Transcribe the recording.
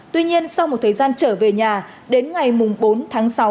tuy nhiên sau một thời gian trở về nhà đến ngày bốn tháng sáu